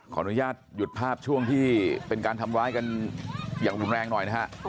อนุญาตหยุดภาพช่วงที่เป็นการทำร้ายกันอย่างรุนแรงหน่อยนะฮะ